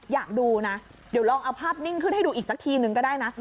อยากดูนะเดี๋ยวลองเอาภาพนิ่งขึ้นให้ดูอีกสักทีนึงก็ได้นะ